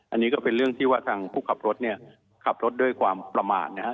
อันนี้ก็เป็นเรื่องที่ว่าทางผู้ขับรถเนี่ยขับรถด้วยความประมาทนะครับ